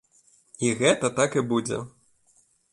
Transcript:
І гэта так і будзе.